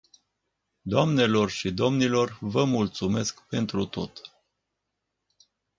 Doamnelor și domnilor, vă mulțumesc pentru tot.